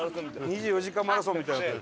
２４時間マラソンみたいになってる。